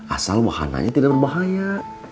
asal wahananya tidak berbahaya